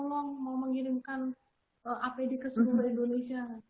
mau mengirimkan apd ke sebuah indonesia